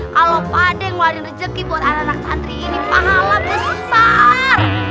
kalau pade yang ngeluarin rezeki buat anak anak santri ini pahala besar